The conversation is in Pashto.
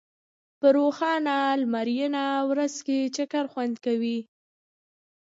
په روښانه لمرینه ورځ چکر خوند کوي.